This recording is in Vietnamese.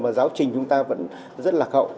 mà giáo trình chúng ta vẫn rất lạc hậu